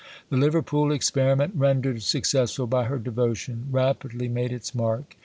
The Liverpool experiment, rendered successful by her devotion, rapidly made its mark.